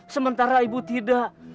sementara ibu tidak